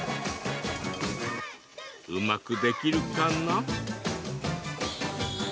うまくできるかな？